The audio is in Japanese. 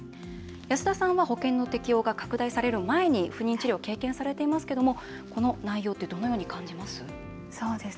安田さんは保険の適用が拡大される前に不妊治療を経験されてますけどもこの内容ってどのように感じます？